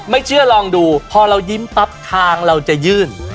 ไม่เชื่อลองดูพอเรายิ้มปั๊บทางเราจะยื่น